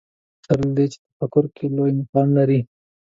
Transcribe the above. سره له دې تفکر کې لوی مقام لري